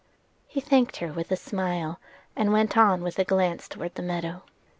He thanked her with a smile, and went on with a glance toward the meadow.